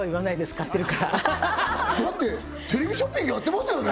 買ってるからだってテレビショッピングやってますよね？